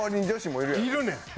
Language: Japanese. いるねん。